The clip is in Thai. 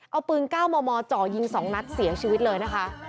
เอาปืน๙มมจ่อยิง๒นัดเสียชีวิตเลยนะคะ